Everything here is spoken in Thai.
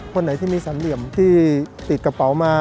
คนไหนที่มีสามเหลี่ยมที่ติดกระเป๋ามา